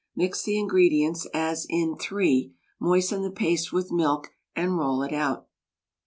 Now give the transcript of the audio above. Mix the ingredients as in (3), moisten the paste with milk, and roll it out.